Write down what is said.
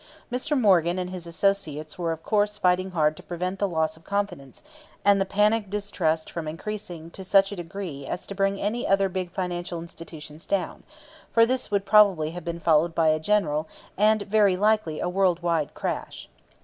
Mr. Morgan and his associates were of course fighting hard to prevent the loss of confidence and the panic distrust from increasing to such a degree as to bring any other big financial institutions down; for this would probably have been followed by a general, and very likely a worldwide, crash.